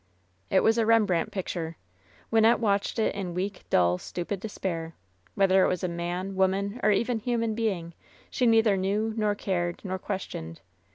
It was a Rembrandt picture. Wynnette watched it in weak, dull, stupid despair. Whether it was man, woman, or even human being, she neither knew, nor cared, nor questioned.